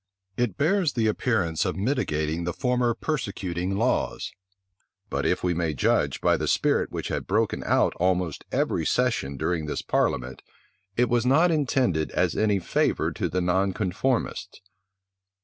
It bears the appearance of mitigating the former persecuting laws; but if we may judge by the spirit which had broken out almost every session during this parliament, it was not intended as any favor to the nonconformists.